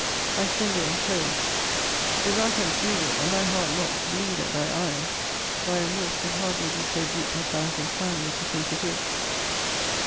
I send it enclosed. If thou canst read it, and thy heart not bleed at thy eyes, thy remorse can hardly be so deep as thou hast inclined me to think it is.